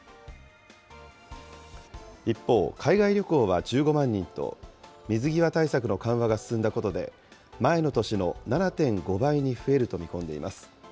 一方、海外旅行は１５万人と、水際対策の緩和が進んだことで、前の年の７．５倍に増えると見込んでいます。